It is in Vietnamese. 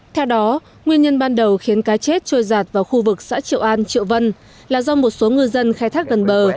theo đó nguyên nhân ban đầu khiến cá chết trôi giạt vào khu vực xã triệu an triệu vân là do một số ngư dân khai thác gần bờ